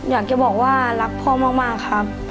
อยากจะบอกว่ารักพ่อมากครับ